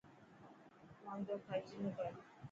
واندو خرچ نه ڪر.